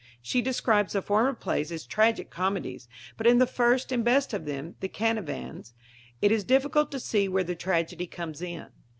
She describes the former plays as "tragic comedies"; but in the first and best of them, The Canavans, it is difficult to see where the tragedy comes in.